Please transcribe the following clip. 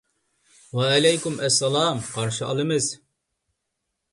ۋەئەلەيكۇم ئەسسالام، قارشى ئالىمىز.